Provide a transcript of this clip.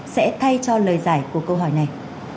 sẽ thay cho lời giải của câu hỏi này